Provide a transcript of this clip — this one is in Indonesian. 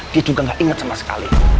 dia juga gak ingat sama sekali